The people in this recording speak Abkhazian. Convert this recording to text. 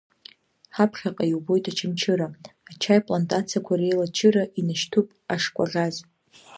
Ҳаԥхьаҟа иубоит Очамчыра, ачаиплантациақәа реилачыра, инашьҭуп ашкәаӷьаз.